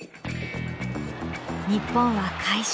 日本は快勝。